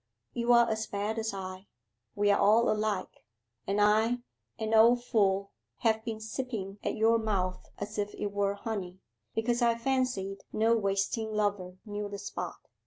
You are as bad as I we are all alike; and I an old fool have been sipping at your mouth as if it were honey, because I fancied no wasting lover knew the spot.